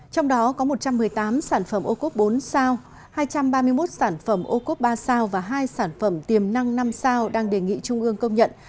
trong đó có một trăm một mươi tám sản phẩm ô cốt bốn sao hai trăm ba mươi một sản phẩm ô cốt ba sao và hai sản phẩm tiềm năng năm sao đang đề nghị trung ương công nhận